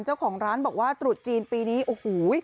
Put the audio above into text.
เจ้าของร้านบอกว่าตรุษจีนปีนี้โอ้โห